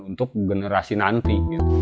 untuk generasi nanti